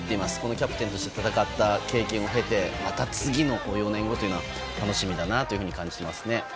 キャプテンとして戦った経験を踏まえてまた４年後楽しみだなと感じていますね。